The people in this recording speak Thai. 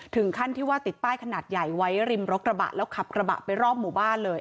ถึงขั้นที่ว่าติดป้ายขนาดใหญ่ไว้ริมรกระบะแล้วขับกระบะไปรอบหมู่บ้านเลย